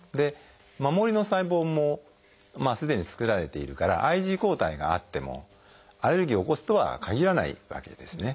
守りの細胞もすでに作られているからＩｇＥ抗体があってもアレルギーを起こすとはかぎらないわけですね。